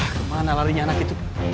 kemana larinya anak itu